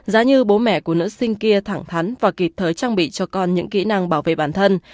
giá như bố mẹ của nữ sinh kia thẳng thắn và kịp thời trang bị cho con những kỹ năng bảo vệ bản thân